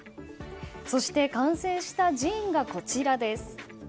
そして、完成したジンがこちらです。